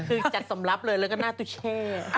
คือจัดสมรับเลยแล้วก็หน้าตุเช่